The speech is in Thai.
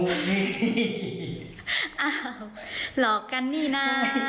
อ้าวหลอกกันนี่นะ